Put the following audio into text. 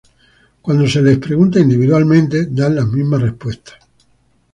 Cuando se les pregunta individualmente, dan las mismas respuestas.